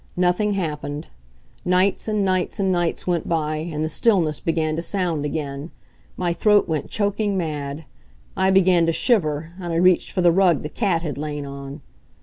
Nothing happened. Nights and nights and nights went by, and the stillness began to sound again. My throat went choking mad. I began to shiver, and I reached for the rug the cat had lain on.